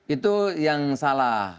itu yang salah